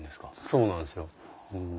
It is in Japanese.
そうなんですよ。